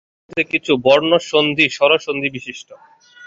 এদের মধ্যে কিছু বর্ণ সন্ধি-স্বরধ্বনী বিশিষ্ট।